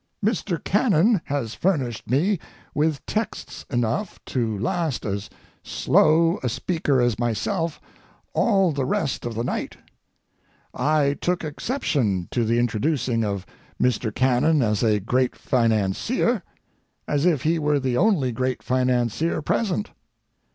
MR. CANNON has furnished me with texts enough to last as slow a speaker as myself all the rest of the night. I took exception to the introducing of Mr. Cannon as a great financier, as if he were the only great financier present.